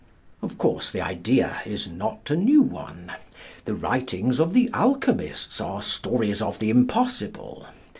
Of course, the idea is not a new one. The writings of the alchemists are stories of the Impossible.